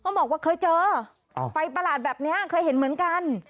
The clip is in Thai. บอกว่าเคยเจอไฟประหลาดแบบนี้เคยเห็นเหมือนกัน